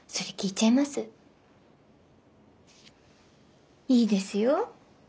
いいですよ。